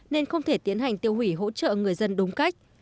nên không thể tiến hành tiêu hủy hỗ trợ người dân đúng cách